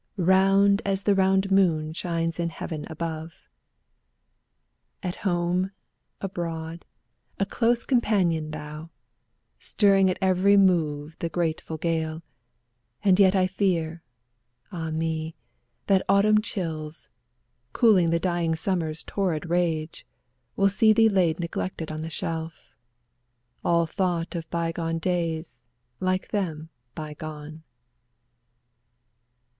Round as the round moon shines in heaven above ; At home, abroad, a close companion thou, Stirring at every move the grateful gale; And yet I fear, ah me! that autumn chills. Cooling the dying summer's torrid rage, Will see thee laid neglected on the shelf. All thought of by gone days, like them by gone.